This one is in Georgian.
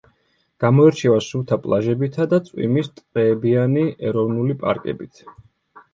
გამოირჩევა სუფთა პლაჟებითა და წვიმის ტყეებიანი ეროვნული პარკებით.